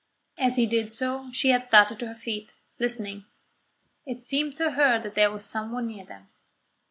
As he did so she had started to her feet, listening. It seemed to her that there was someone near them.